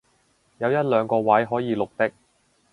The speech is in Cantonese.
得一兩個位可以綠的